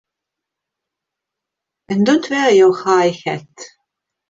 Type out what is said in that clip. And don't wear your high hat!